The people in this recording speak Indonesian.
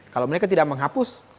kalau mereka tidak menghapus